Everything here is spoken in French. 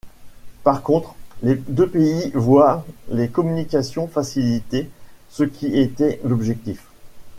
Par contre, les deux pays voient les communications facilitées, ce qui était l’objectif.